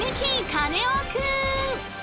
カネオくん！